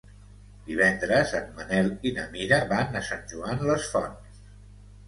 Divendres en Manel i na Mira van a Sant Joan les Fonts.